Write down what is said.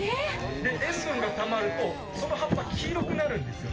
塩分がたまると、その葉っぱが黄色くなるんです。